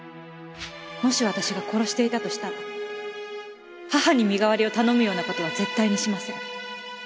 もし私が殺していたとしたら母に身代わりを頼むような事は絶対にしません。